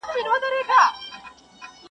چي سیالان یې له هیبته پر سجده سي -